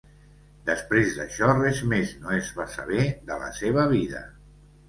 Després d'això res més no es va saber de la seva vida.